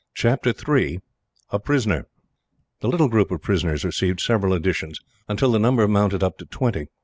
Chapter 3: A Prisoner. The little group of prisoners received several additions, until the number mounted up to twenty.